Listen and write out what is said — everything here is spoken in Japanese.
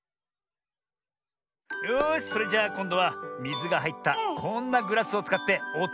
よしそれじゃあこんどはみずがはいったこんなグラスをつかっておとをだしてみよう。